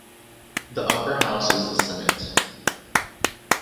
The upper house is the Senate.